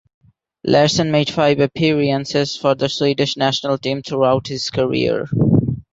Larsson made five appearances for the Swedish national team throughout his career.